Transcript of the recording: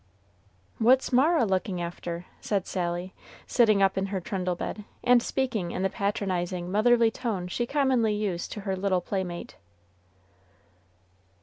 "What's Mara looking after?" said Sally, sitting up in her trundle bed, and speaking in the patronizing motherly tone she commonly used to her little playmate.